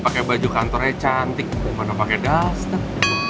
pakai baju kantornya cantik gimana pakai dust up